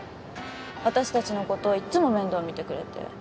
私たちのこといっつも面倒見てくれて。